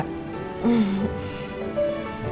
pergi dulu ya